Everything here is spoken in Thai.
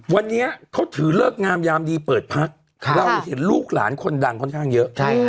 วันนี้เขาถือเลิกงามยามดีเปิดพักเราเห็นลูกหลานคนดังค่อนข้างเยอะ